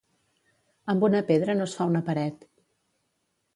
Amb una pedra no es fa una paret.